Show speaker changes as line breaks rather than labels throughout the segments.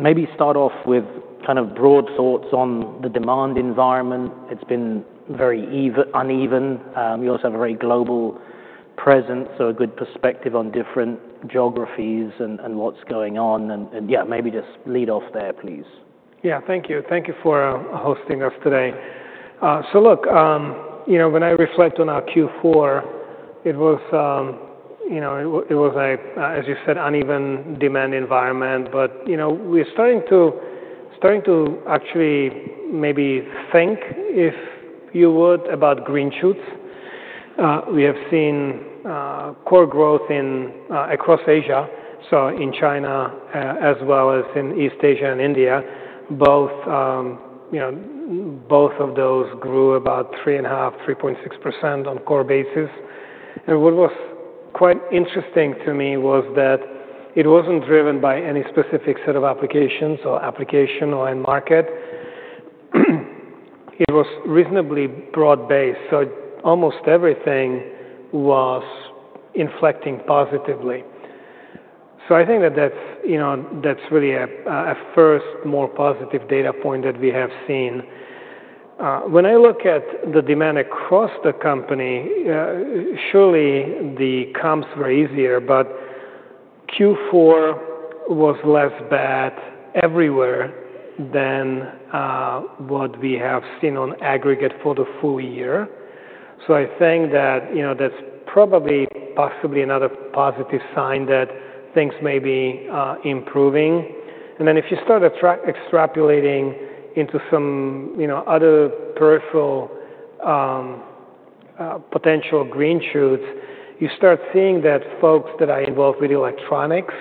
Maybe start off with kind of broad thoughts on the demand environment. It's been very uneven. You also have a very global presence, so a good perspective on different geographies and what's going on. And yeah, maybe just lead off there, please.
Yeah, thank you. Thank you for hosting us today. So look, you know, when I reflect on our Q4, it was, you know, it was a, as you said, uneven demand environment. But, you know, we're starting to actually maybe think, if you would, about green shoots. We have seen core growth across Asia, so in China as well as in East Asia and India. Both, you know, both of those grew about 3.5%, 3.6% on a core basis. And what was quite interesting to me was that it wasn't driven by any specific set of applications or application or end market. It was reasonably broad-based, so almost everything was inflecting positively. So I think that that's, you know, that's really a first more positive data point that we have seen. When I look at the demand across the company, surely the comps were easier, but Q4 was less bad everywhere than what we have seen on aggregate for the full year. So I think that, you know, that's probably possibly another positive sign that things may be improving. And then if you start extrapolating into some, you know, other peripheral potential green shoots, you start seeing that folks that are involved with electronics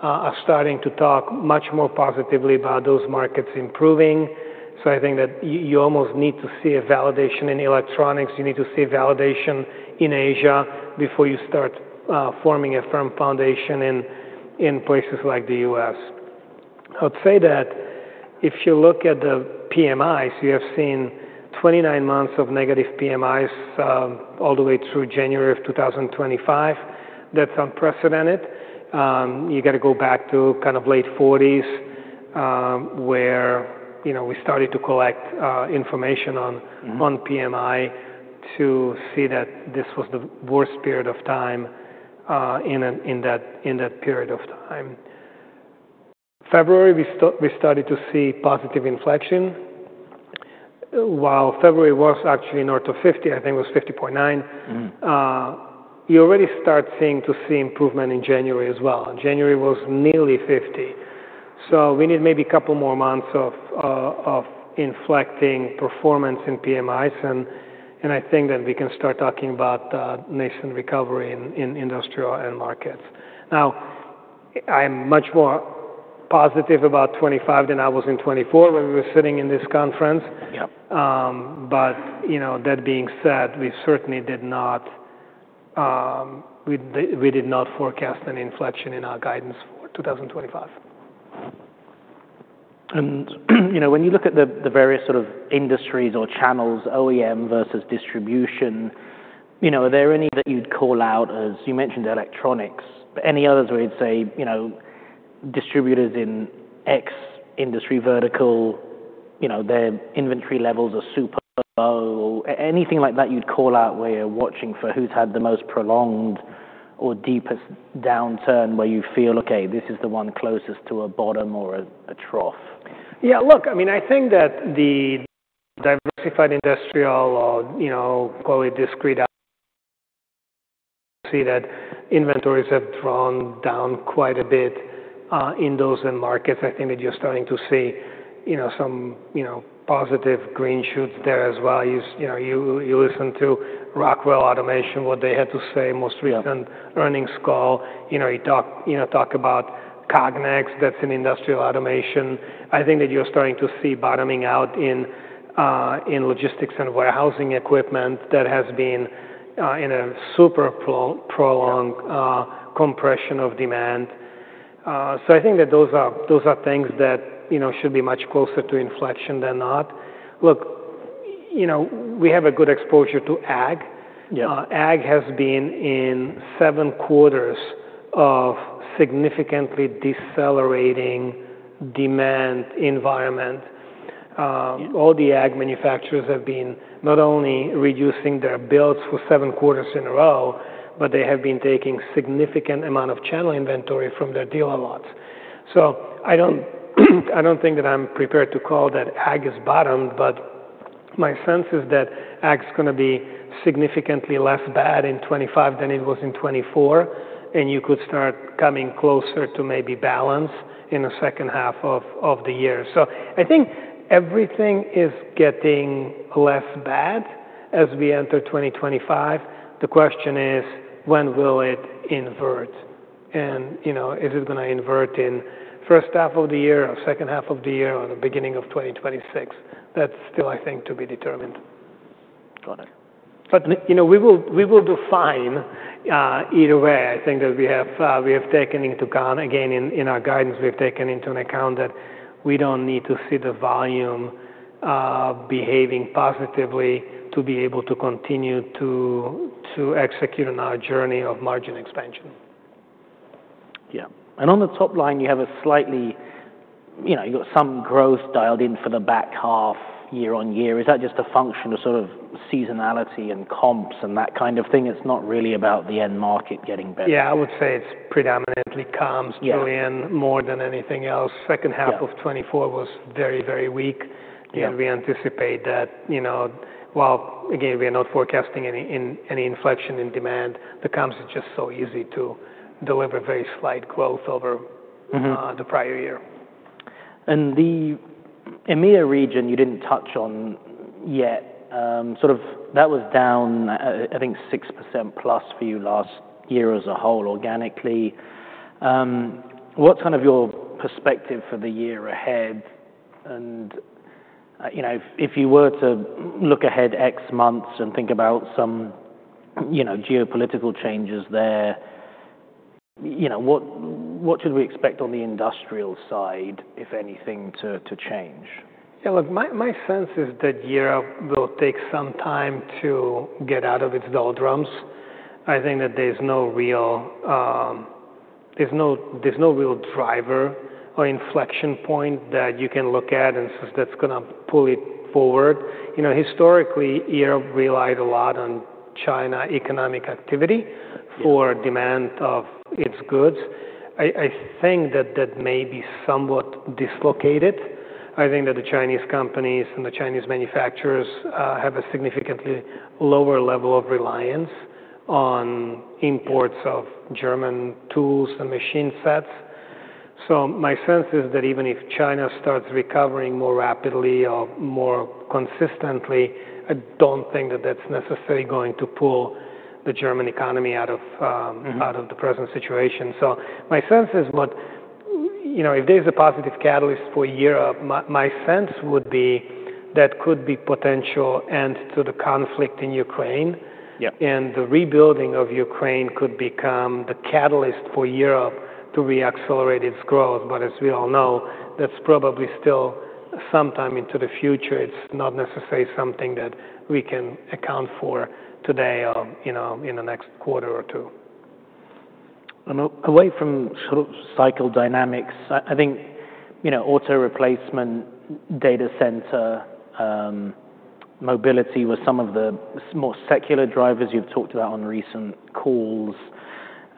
are starting to talk much more positively about those markets improving. So I think that you almost need to see a validation in electronics. You need to see validation in Asia before you start forming a firm foundation in places like the U.S. I would say that if you look at the PMIs, you have seen 29 months of negative PMIs all the way through January of 2025. That's unprecedented. You got to go back to kind of late 40s where, you know, we started to collect information on PMI to see that this was the worst period of time in that period of time. February, we started to see positive inflection. While February was actually north of 50, I think it was 50.9, you already start seeing improvement in January as well. January was nearly 50. So we need maybe a couple more months of inflecting performance in PMIs, and I think then we can start talking about nascent recovery in industrial end markets. Now, I'm much more positive about 2025 than I was in 2024 when we were sitting in this conference. But, you know, that being said, we certainly did not forecast an inflection in our guidance for 2025.
You know, when you look at the various sort of industries or channels, OEM versus distribution, you know, are there any that you'd call out as you mentioned electronics, but any others where you'd say, you know, distributors in X industry vertical, you know, their inventory levels are super low or anything like that you'd call out where you're watching for who's had the most prolonged or deepest downturn where you feel, okay, this is the one closest to a bottom or a trough?
Yeah, look, I mean, I think that the diversified industrial or, you know, quite discrete outlook see that inventories have drawn down quite a bit in those end markets. I think that you're starting to see, you know, some, you know, positive green shoots there as well. You know, you listen to Rockwell Automation, what they had to say, most recent earnings call, you know, you talk about Cognex, that's in industrial automation. I think that you're starting to see bottoming out in logistics and warehousing equipment that has been in a super prolonged compression of demand. So I think that those are things that, you know, should be much closer to inflection than not. Look, you know, we have a good exposure to Ag. Ag has been in seven quarters of significantly decelerating demand environment. All the Ag manufacturers have been not only reducing their builds for seven quarters in a row, but they have been taking significant amount of channel inventory from their dealer lots. So I don't think that I'm prepared to call that Ag is bottomed, but my sense is that Ag's going to be significantly less bad in 2025 than it was in 2024, and you could start coming closer to maybe balance in the second half of the year. So I think everything is getting less bad as we enter 2025. The question is, when will it invert? And, you know, is it going to invert in first half of the year or second half of the year or the beginning of 2026? That's still, I think, to be determined.
Got it.
But, you know, we will do fine either way. I think that we have taken into account again in our guidance, we have taken into account that we don't need to see the volume behaving positively to be able to continue to execute on our journey of margin expansion.
Yeah. And on the top line, you have a slightly, you know, you've got some growth dialed in for the back half year on year. Is that just a function of sort of seasonality and comps and that kind of thing? It's not really about the end market getting better.
Yeah, I would say it's predominantly comps going in more than anything else. Second half of 2024 was very, very weak, and we anticipate that, you know, while again, we are not forecasting any inflection in demand, the comps is just so easy to deliver very slight growth over the prior year.
And the EMEA region you didn't touch on yet. Sort of, that was down, I think, 6% plus for you last year as a whole organically. What's kind of your perspective for the year ahead? And, you know, if you were to look ahead X months and think about some, you know, geopolitical changes there, you know, what should we expect on the industrial side, if anything, to change?
Yeah, look, my sense is that Europe will take some time to get out of its doldrums. I think that there's no real driver or inflection point that you can look at and says that's going to pull it forward. You know, historically, Europe relied a lot on China economic activity for demand of its goods. I think that that may be somewhat dislocated. I think that the Chinese companies and the Chinese manufacturers have a significantly lower level of reliance on imports of German tools and machine tools. So my sense is that even if China starts recovering more rapidly or more consistently, I don't think that that's necessarily going to pull the German economy out of the present situation. So my sense is, you know, if there's a positive catalyst for Europe, my sense would be that could be potential end to the conflict in Ukraine. And the rebuilding of Ukraine could become the catalyst for Europe to reaccelerate its growth. But as we all know, that's probably still sometime into the future. It's not necessarily something that we can account for today or, you know, in the next quarter or two.
Away from sort of cycle dynamics, I think, you know, Auto Replacement, data center, mobility were some of the more secular drivers you've talked about on recent calls.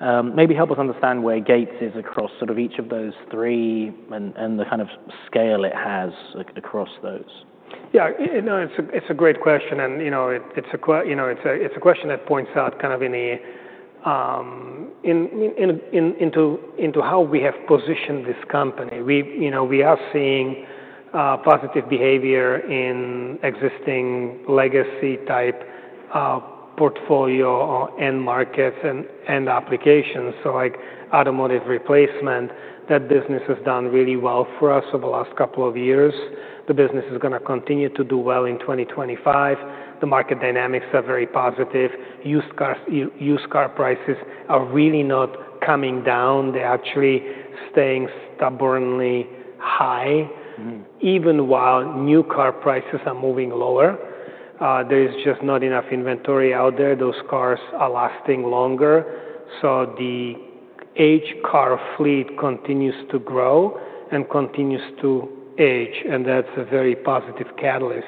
Maybe help us understand where Gates is across sort of each of those three and the kind of scale it has across those.
Yeah, no, it's a great question. And, you know, it's a question that points out kind of into how we have positioned this company. We, you know, we are seeing positive behavior in existing legacy type portfolio and markets and applications. So like Automotive Replacement, that business has done really well for us over the last couple of years. The business is going to continue to do well in 2025. The market dynamics are very positive. Used car prices are really not coming down. They're actually staying stubbornly high, even while new car prices are moving lower. There is just not enough inventory out there. Those cars are lasting longer. So the aged car fleet continues to grow and continues to age. And that's a very positive catalyst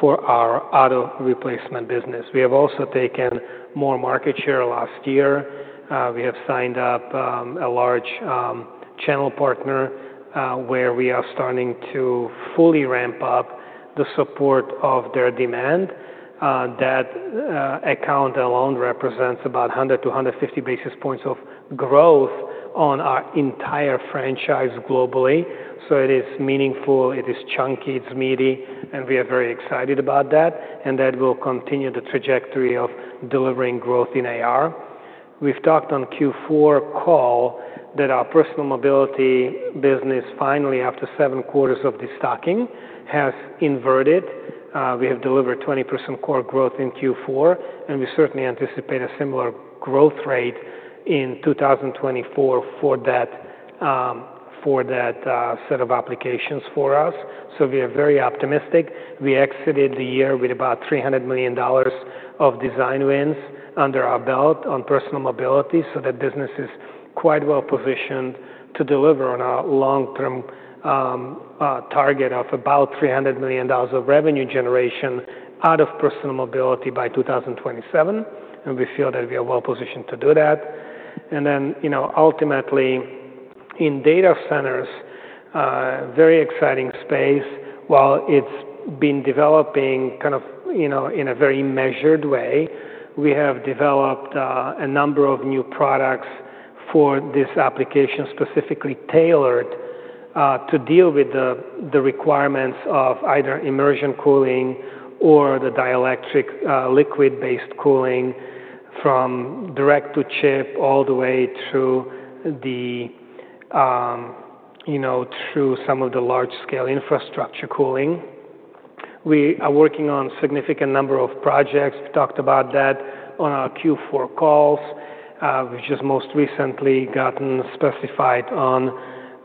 for our Auto Replacement business. We have also taken more market share last year. We have signed up a large channel partner where we are starting to fully ramp up the support of their demand. That account alone represents about 100-150 basis points of growth on our entire franchise globally. So it is meaningful. It is chunky. It's meaty. And we are very excited about that. And that will continue the trajectory of delivering growth in AR. We've talked on Q4 call that our Personal Mobility business finally, after seven quarters of destocking, has inverted. We have delivered 20% core growth in Q4. And we certainly anticipate a similar growth rate in 2024 for that set of applications for us. So we are very optimistic. We exited the year with about $300 million of design wins under our belt on Personal Mobility. So that business is quite well positioned to deliver on our long-term target of about $300 million of revenue generation out of Personal Mobility by 2027. And we feel that we are well positioned to do that. And then, you know, ultimately in data centers, very exciting space. While it's been developing kind of, you know, in a very measured way, we have developed a number of new products for this application specifically tailored to deal with the requirements of either immersion cooling or the dielectric liquid-based cooling from direct-to-chip all the way through the, you know, through some of the large-scale infrastructure cooling. We are working on a significant number of projects. We talked about that on our Q4 calls. We've just most recently gotten specified on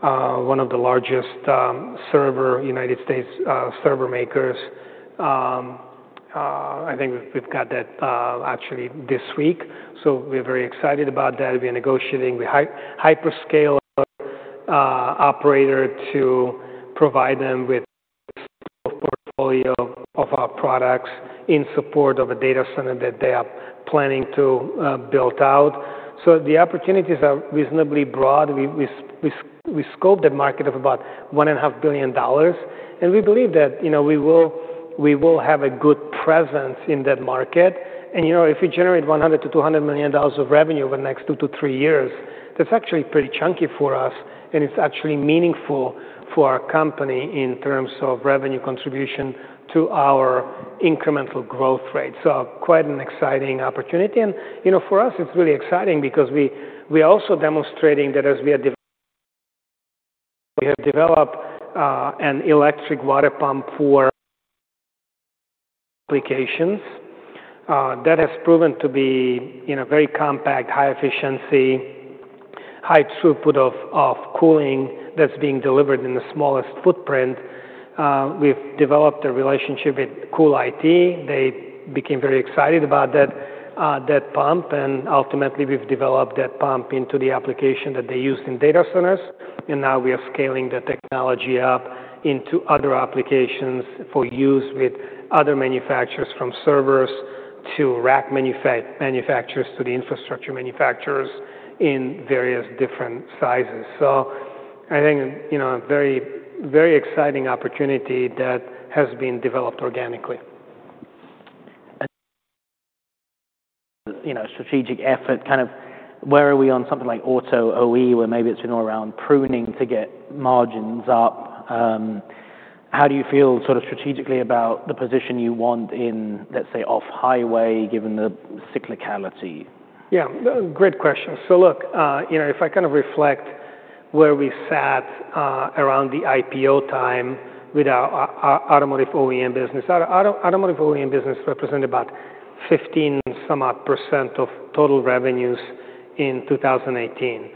one of the largest U.S. server makers. I think we've got that actually this week. We're very excited about that. We are negotiating with hyperscale operator to provide them with a portfolio of our products in support of a data center that they are planning to build out. The opportunities are reasonably broad. We scoped the market of about $1.5 billion. We believe that, you know, we will have a good presence in that market. You know, if we generate $100-$200 million of revenue over the next two to three years, that's actually pretty chunky for us. It's actually meaningful for our company in terms of revenue contribution to our incremental growth rate. Quite an exciting opportunity. You know, for us, it's really exciting because we are also demonstrating that as we have developed an electric water pump for applications that has proven to be, you know, very compact, high efficiency, high throughput of cooling that's being delivered in the smallest footprint. We've developed a relationship with CoolIT. They became very excited about that pump. And ultimately, we've developed that pump into the application that they use in data centers. And now we are scaling the technology up into other applications for use with other manufacturers from servers to rack manufacturers to the infrastructure manufacturers in various different sizes. So I think, you know, a very, very exciting opportunity that has been developed organically.
You know, strategic effort, kind of where are we on something like auto OEM, where maybe it's been all around pruning to get margins up? How do you feel sort of strategically about the position you want in, let's say, off-highway given the cyclicality?
Yeah, great question. So look, you know, if I kind of reflect where we sat around the IPO time with our automotive OEM business, automotive OEM business represented about 15-some-odd% of total revenues in 2018,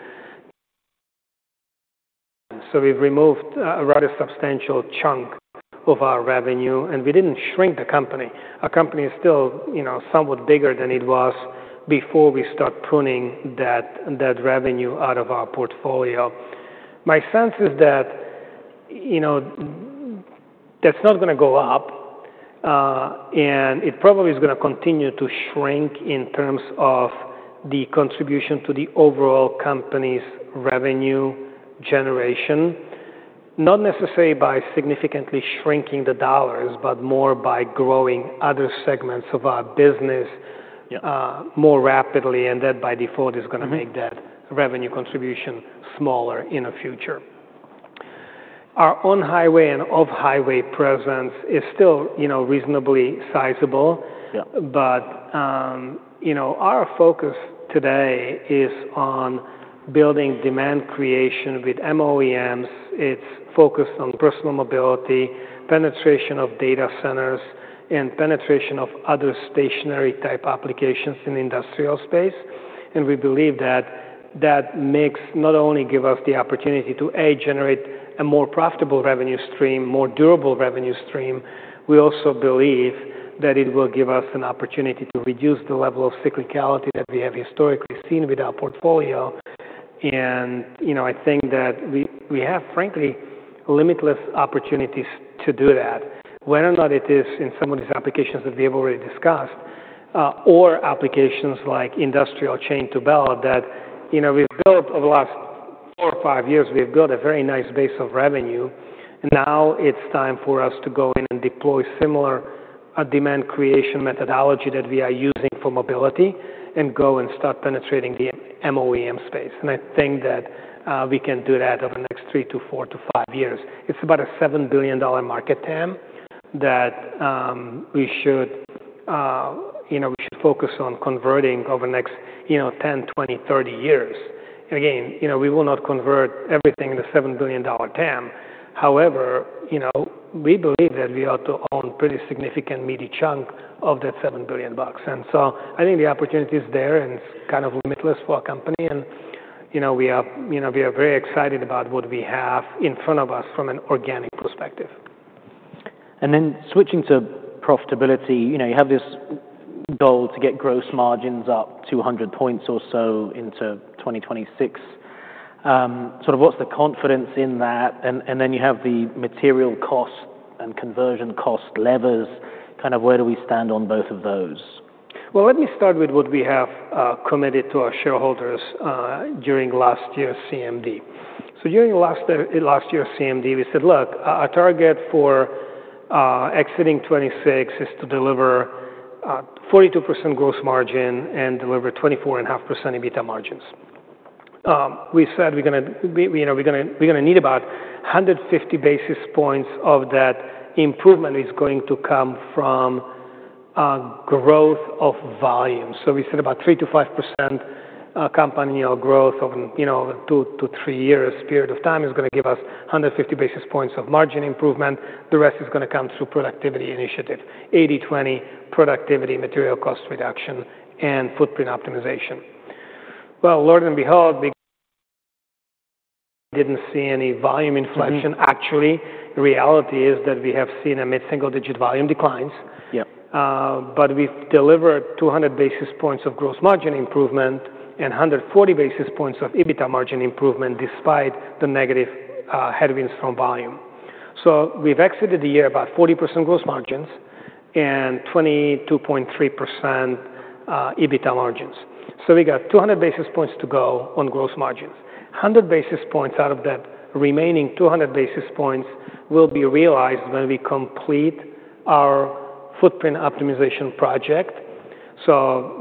so we've removed a rather substantial chunk of our revenue, and we didn't shrink the company. Our company is still, you know, somewhat bigger than it was before we start pruning that revenue out of our portfolio. My sense is that, you know, that's not going to go up, and it probably is going to continue to shrink in terms of the contribution to the overall company's revenue generation, not necessarily by significantly shrinking the dollars, but more by growing other segments of our business more rapidly, and that by default is going to make that revenue contribution smaller in the future. Our on-highway and off-highway presence is still, you know, reasonably sizable. But, you know, our focus today is on building demand creation with MOEMs. It's focused on personal mobility, penetration of data centers, and penetration of other stationary type applications in the industrial space. And we believe that that mix not only gives us the opportunity to a, generate a more profitable revenue stream, more durable revenue stream, we also believe that it will give us an opportunity to reduce the level of cyclicality that we have historically seen with our portfolio. And, you know, I think that we have, frankly, limitless opportunities to do that, whether or not it is in some of these applications that we have already discussed or applications like Industrial Chain-to-Belt that. You know, we've built over the last four or five years, we've built a very nice base of revenue. And now it's time for us to go in and deploy similar demand creation methodology that we are using for mobility and go and start penetrating the MOEM space. And I think that we can do that over the next three to four to five years. It's about a $7 billion market TAM that we should, you know, we should focus on converting over the next, you know, 10, 20, 30 years. And again, you know, we will not convert everything in the $7 billion TAM. However, you know, we believe that we ought to own a pretty significant meaty chunk of that $7 billion bucks. And so I think the opportunity is there and it's kind of limitless for our company. And, you know, we are very excited about what we have in front of us from an organic perspective.
Then switching to profitability, you know, you have this goal to get gross margins up 200 points or so into 2026. Sort of, what's the confidence in that? Then you have the material cost and conversion cost levers. Kind of, where do we stand on both of those?
Let me start with what we have committed to our shareholders during last year's CMD. So during last year's CMD, we said, look, our target for exiting 2026 is to deliver 42% gross margin and deliver 24.5% EBITDA margins. We said we're going to need about 150 basis points of that improvement is going to come from growth of volume. So we said about 3%-5% company growth over, you know, over two to three years period of time is going to give us 150 basis points of margin improvement. The rest is going to come through productivity initiative, 80/20 productivity, material cost reduction, and footprint optimization. Lord and behold, we didn't see any volume inflection. Actually, the reality is that we have seen a mid-single-digit volume declines. We've delivered 200 basis points of gross margin improvement and 140 basis points of EBITDA margin improvement despite the negative headwinds from volume. We've exited the year about 40% gross margins and 22.3% EBITDA margins. We got 200 basis points to go on gross margins. 100 basis points out of that remaining 200 basis points will be realized when we complete our footprint optimization project.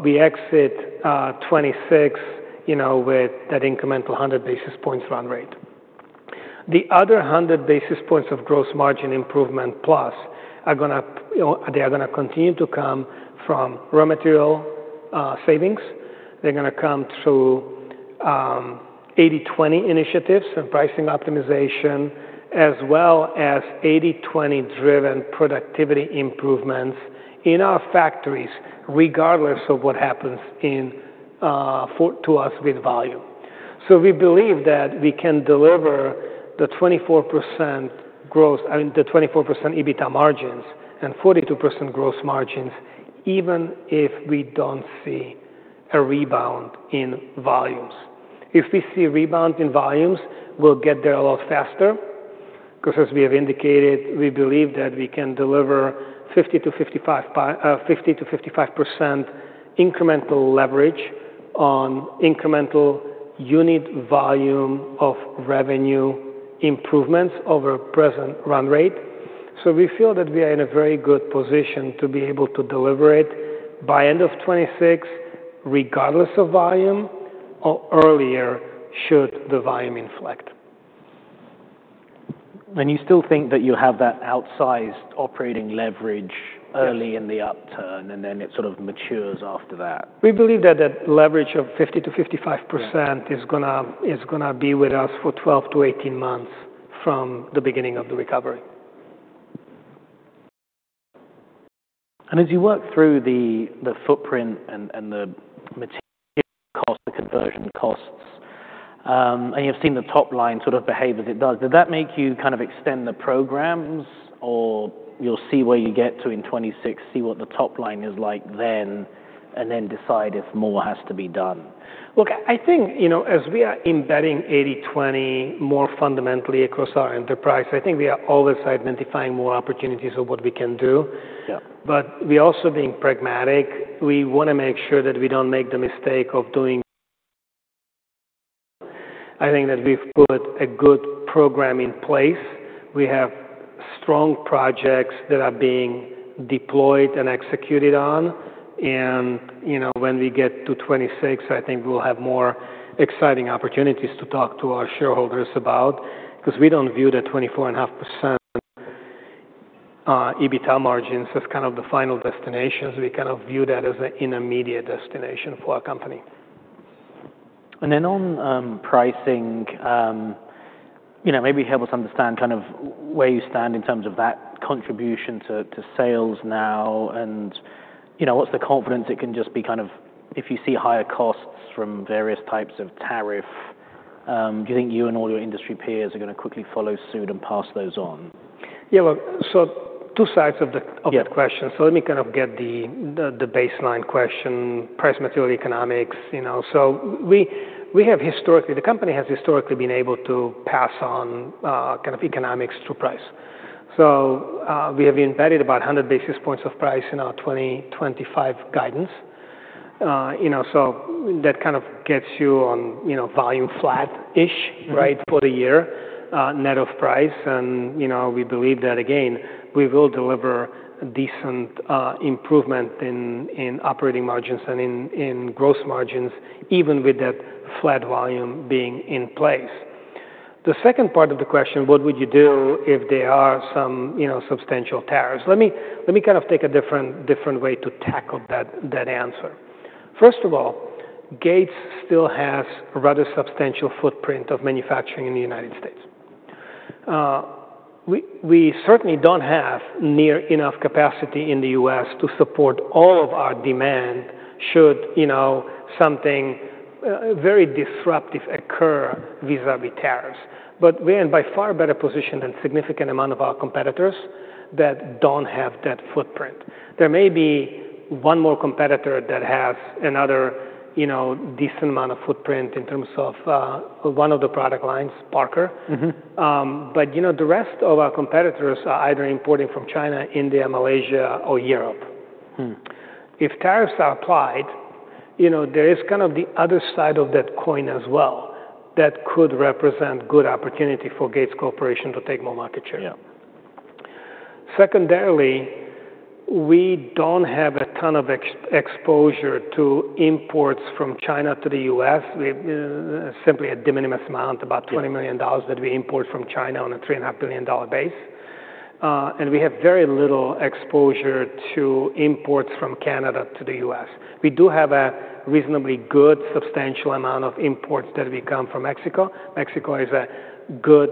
We exit 2026, you know, with that incremental 100 basis points run rate. The other 100 basis points of gross margin improvement plus are going to, they are going to continue to come from raw material savings. They're going to come through 80/20 initiatives and pricing optimization, as well as 80/20 driven productivity improvements in our factories, regardless of what happens to us with volume. We believe that we can deliver the 24% gross, I mean, the 24% EBITDA margins and 42% gross margins, even if we don't see a rebound in volumes. If we see a rebound in volumes, we'll get there a lot faster. Because as we have indicated, we believe that we can deliver 50%-55% incremental leverage on incremental unit volume of revenue improvements over present run rate. We feel that we are in a very good position to be able to deliver it by end of 2026, regardless of volume, or earlier should the volume inflect.
You still think that you'll have that outsized operating leverage early in the upturn and then it sort of matures after that?
We believe that that leverage of 50%-55% is going to be with us for 12 to 18 months from the beginning of the recovery.
As you work through the footprint and the material cost, the conversion costs, and you've seen the top line sort of behave as it does, does that make you kind of extend the programs or you'll see where you get to in 2026, see what the top line is like then, and then decide if more has to be done?
Look, I think, you know, as we are embedding 80/20 more fundamentally across our enterprise, I think we are always identifying more opportunities of what we can do. But we are also being pragmatic. We want to make sure that we don't make the mistake of doing. I think that we've put a good program in place. We have strong projects that are being deployed and executed on. And, you know, when we get to 2026, I think we'll have more exciting opportunities to talk to our shareholders about. Because we don't view the 24.5% EBITDA margins as kind of the final destinations. We kind of view that as an immediate destination for our company.
Then on pricing, you know, maybe help us understand kind of where you stand in terms of that contribution to sales now. You know, what's the confidence it can just be kind of, if you see higher costs from various types of tariff, do you think you and all your industry peers are going to quickly follow suit and pass those on?
Yeah, well, so two sides of the question. So let me kind of get the baseline question, price, material economics, you know. So we have historically, the company has historically been able to pass on kind of economics through price. So we have embedded about 100 basis points of price in our 2025 guidance. You know, so that kind of gets you on, you know, volume flat-ish, right, for the year net of price. And, you know, we believe that, again, we will deliver a decent improvement in operating margins and in gross margins, even with that flat volume being in place. The second part of the question, what would you do if there are some, you know, substantial tariffs? Let me kind of take a different way to tackle that answer. First of all, Gates still has a rather substantial footprint of manufacturing in the United States. We certainly don't have near enough capacity in the U.S. to support all of our demand should, you know, something very disruptive occur vis-à-vis tariffs. But we are in by far better position than a significant amount of our competitors that don't have that footprint. There may be one more competitor that has another, you know, decent amount of footprint in terms of one of the product lines, Parker. But, you know, the rest of our competitors are either importing from China, India, Malaysia, or Europe. If tariffs are applied, you know, there is kind of the other side of that coin as well that could represent good opportunity for Gates Corporation to take more market share. Secondarily, we don't have a ton of exposure to imports from China to the U.S. We have simply a de minimis amount, about $20 million that we import from China on a $3.5 billion base, and we have very little exposure to imports from Canada to the U.S. We do have a reasonably good substantial amount of imports that come from Mexico. Mexico is a good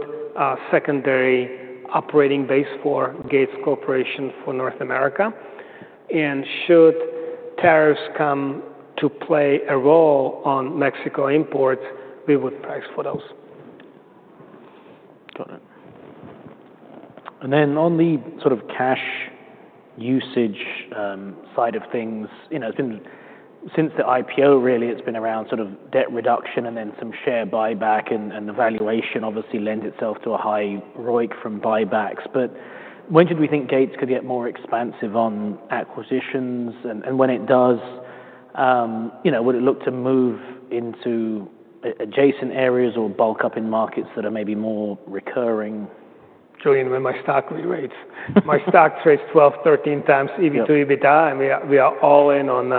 secondary operating base for Gates Corporation for North America, and should tariffs come to play a role on Mexico imports, we would price for those.
Got it. And then on the sort of cash usage side of things, you know, since the IPO, really, it's been around sort of debt reduction and then some share buyback. And the valuation obviously lends itself to a high ROIC from buybacks. But when did we think Gates could get more expansive on acquisitions? And when it does, you know, would it look to move into adjacent areas or bulk up in markets that are maybe more recurring?
Julian, when my stock re-rates, my stock trades 12, 13 times EV to EBITDA, and we are all in on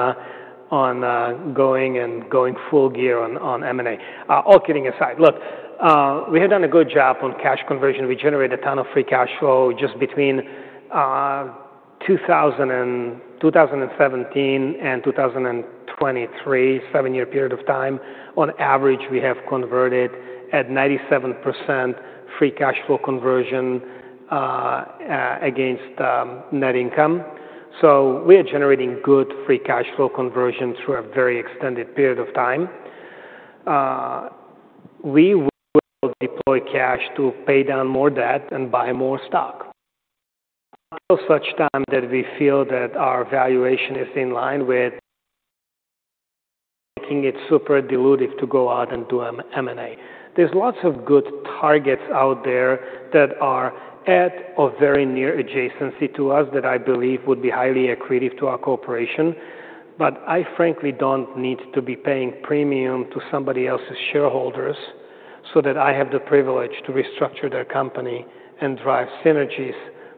going and going full gear on M&A. All kidding aside, look, we have done a good job on cash conversion. We generate a ton of free cash flow just between 2017 and 2023, seven-year period of time. On average, we have converted at 97% free cash flow conversion against net income, so we are generating good free cash flow conversion through a very extended period of time. We will deploy cash to pay down more debt and buy more stock until such time that we feel that our valuation is in line with making it super dilutive to go out and do an M&A. There's lots of good targets out there that are at or very near adjacency to us that I believe would be highly accretive to our corporation. But I, frankly, don't need to be paying premium to somebody else's shareholders so that I have the privilege to restructure their company and drive synergies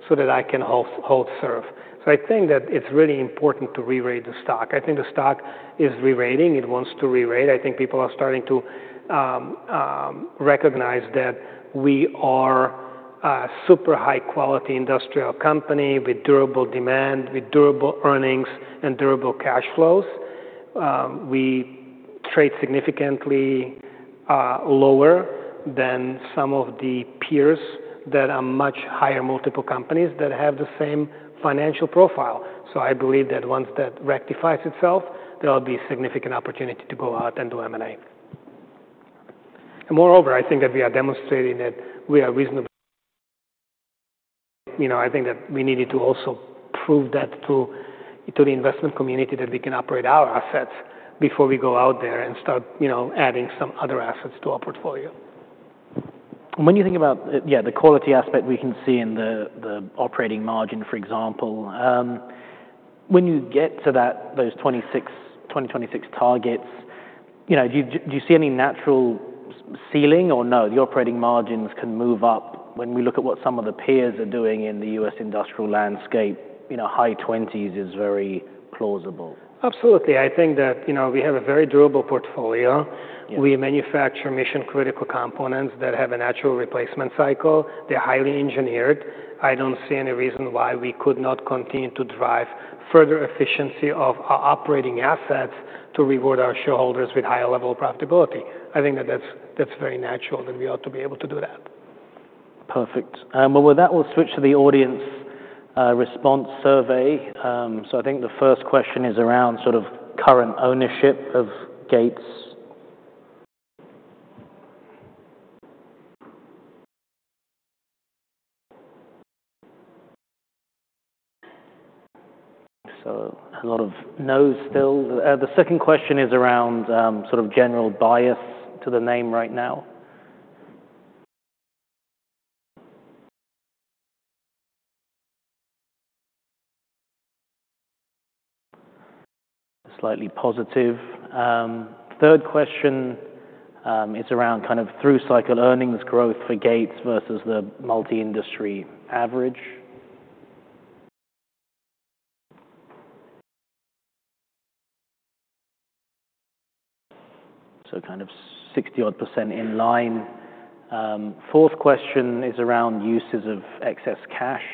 so that I can hold serve. So I think that it's really important to re-rate. The stock, I think the stock is re-rating. It wants to re-rate. I think people are starting to recognize that we are a super high-quality industrial company with durable demand, with durable earnings and durable cash flows. We trade significantly lower than some of the peers that are much higher multiple companies that have the same financial profile. So I believe that once that rectifies itself, there will be significant opportunity to go out and do M&A. And moreover, I think that we are demonstrating that we are reasonably. You know, I think that we needed to also prove that to the investment community that we can operate our assets before we go out there and start, you know, adding some other assets to our portfolio.
When you think about, yeah, the quality aspect we can see in the operating margin, for example, when you get to those 2026 targets, you know, do you see any natural ceiling or no? The operating margins can move up when we look at what some of the peers are doing in the U.S. industrial landscape. You know, high 20s is very plausible.
Absolutely. I think that, you know, we have a very durable portfolio. We manufacture mission-critical components that have a natural replacement cycle. They're highly engineered. I don't see any reason why we could not continue to drive further efficiency of our operating assets to reward our shareholders with higher level of profitability. I think that that's very natural that we ought to be able to do that.
Perfect. With that, we'll switch to the audience response survey. I think the first question is around sort of current ownership of Gates. A lot of no's still. The second question is around sort of general bias to the name right now. Slightly positive. Third question is around kind of through cycle earnings growth for Gates versus the multi-industry average. Kind of 60-odd% in line. Fourth question is around uses of excess cash.